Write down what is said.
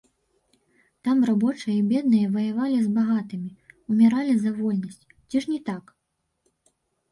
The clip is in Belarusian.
Там рабочыя і бедныя ваявалі з багатымі, уміралі за вольнасць, ці ж не так?